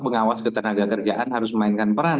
pengawas ketenaga kerjaan harus memainkan peran